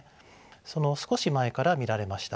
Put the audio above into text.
その少し前から見られました。